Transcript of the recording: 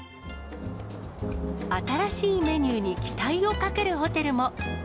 新しいメニューに期待をかけるホテルも。